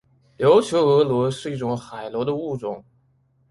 琉球峨螺是一种海螺的物种。